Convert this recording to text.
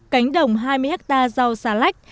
cánh đồng hai mươi hectare rau xà lách